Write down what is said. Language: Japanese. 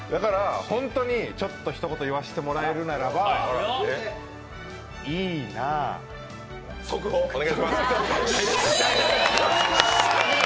ちょっとひと言言わせてもらえるならいいなあ速報、お願いします。